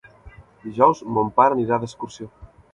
Dijous mon pare anirà d'excursió.